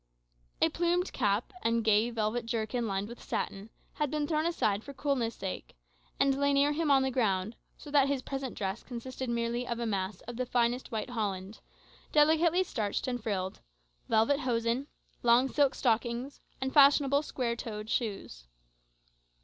A plumed cap, and a gay velvet jerkin lined with satin, had been thrown aside for coolness' sake, and lay near him on the ground; so that his present dress consisted merely of a mass of the finest white holland, delicately starched and frilled, velvet hosen, long silk stockings, and fashionable square toed shoes.